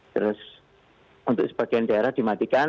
terus untuk sebagian daerah dimatikan